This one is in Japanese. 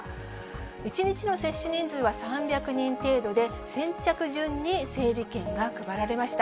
１日の接種人数は３００人程度で、先着順に整理券が配られました。